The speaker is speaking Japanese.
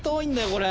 これ。